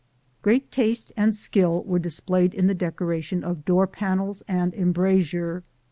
Great taste and skill were displayed in the decoration of door panels and embrasure.